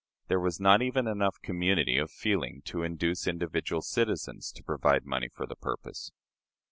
There was not even enough community of feeling to induce individual citizens to provide money for the purpose.